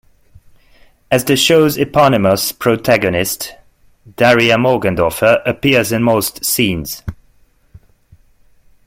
As the show's eponymous protagonist, Daria Morgendorffer appears in most scenes.